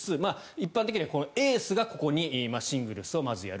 一般的にはエースがここにシングルスをまずやる。